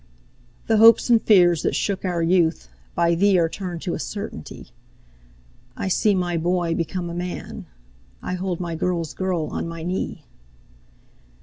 The hopes and fears that shook our youth, By thee are turn'd to a certainty; I see my boy become a man, I hold my girl's girl on my knee.